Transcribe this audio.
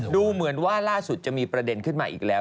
ดูเหมือนว่าล่าสุดจะมีประเด็นขึ้นมาอีกแล้ว